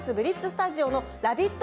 スタジオのラヴィット！